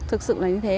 thực sự là như thế